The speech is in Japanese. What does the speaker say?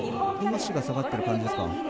足が下がっている感じですか。